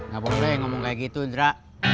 gak boleh ngomong kayak gitu dra